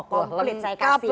komplit saya kasih